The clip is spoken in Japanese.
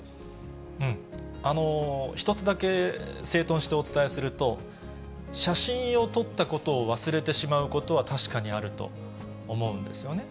１つだけ整頓してお伝えすると、写真を撮ったことを忘れてしまうことは確かにあると思うんですよね。